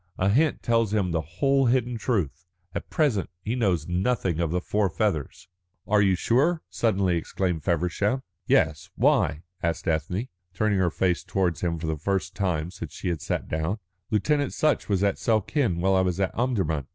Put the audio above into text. A hint tells him the whole hidden truth. At present he knows nothing of the four feathers." "Are you sure?" suddenly exclaimed Feversham. "Yes. Why?" asked Ethne, turning her face towards him for the first time since she had sat down. "Lieutenant Sutch was at Suakin while I was at Omdurman.